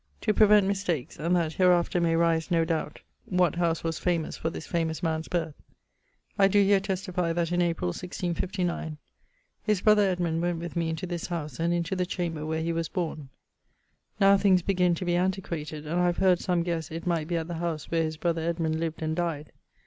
To prevent mistakes, and that hereafter may rise no doubt what house was famous for this famous man's birth; I doe here testifie that in April, 1659, his brother Edmond went with me into this house, and into the chamber where he was borne. Now things begin to be antiquated, and I have heard some guesse it might be at the howse where his brother Edmund lived and dyed.